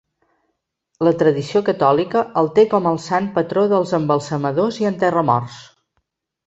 La tradició catòlica el té com el sant patró dels embalsamadors i enterramorts.